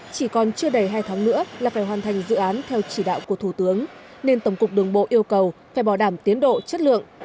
chỉ còn chưa đầy hai tháng nữa là phải hoàn thành dự án theo chỉ đạo của thủ tướng nên tổng cục đường bộ yêu cầu phải bỏ đảm tiến độ chất lượng